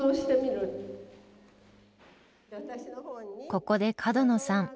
ここで角野さん